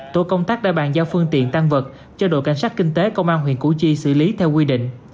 tổ công tác đã bàn giao phương tiện tăng vật cho đội cảnh sát kinh tế công an huyện củ chi xử lý theo quy định